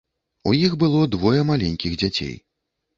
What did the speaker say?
У іх было двое маленькіх дзяцей.